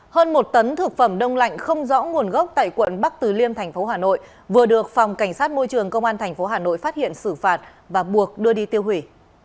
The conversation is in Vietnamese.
hơn một tấn thực phẩm đông lạnh không rõ nguồn gốc tại quận bắc từ liêm thành phố hà nội vừa được phòng cảnh sát môi trường công an tp hà nội phát hiện xử phạt và buộc đưa đi tiêu hủy